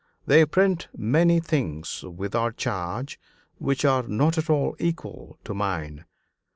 They print many things without charge which are not at all equal to mine.